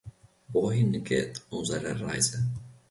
Wohin geht unsere Reise?